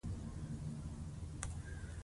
افغانستان کې د اوښ لپاره دپرمختیا پروګرامونه شته.